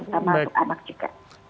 terutama anak juga